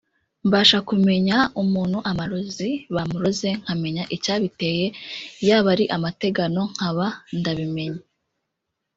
Mbasha kumenya umuntu amarozi bamuroze nkamenya icyabiteye yaba ari amategano nkaba ndabimenye